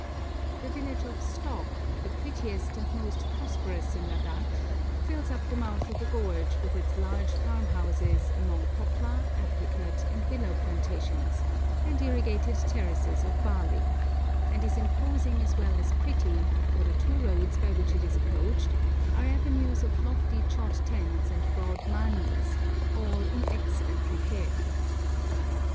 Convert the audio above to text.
The village of Stok, the prettiest and most prosperous in Ladak, fills up the mouth of a gorge with its large farm houses among poplar, apricot, and willow plantations, and irrigated terraces of barley; and is imposing as well as pretty, for the two roads by which it is approached are avenues of lofty chod tens and broad manis, all in excellent repair.